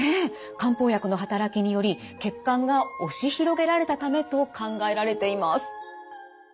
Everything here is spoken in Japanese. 漢方薬の働きにより血管が押し広げられたためと考えられています。